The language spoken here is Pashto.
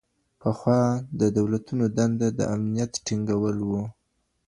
پخوا د دولتونو دنده د امنيت ټينګول و.